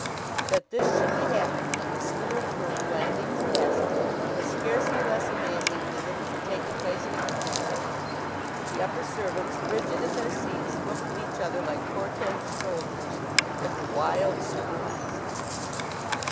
That this should be happening in the steward's room at Blandings Castle was scarcely less amazing than if it had taken place in a cathedral. The upper servants, rigid in their seats, looked at each other, like Cortes' soldiers "with a wild surmise."